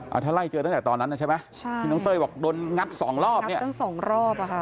เอาถ้าไล่เจอตั้งแต่ตอนนั้นน่ะใช่ไหมใช่ที่น้องเต้ยบอกโดนงัดสองรอบเนี่ยตั้งสองรอบอ่ะค่ะ